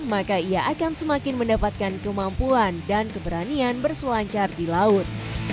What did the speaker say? maka ia akan semakin mendapatkan kemampuan dan keberanian berselancar di laut